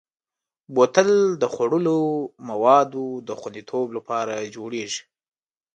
بوتل د خوړلو موادو د خوندیتوب لپاره جوړېږي.